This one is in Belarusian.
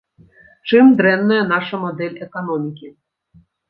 Чым дрэнная наша мадэль эканомікі?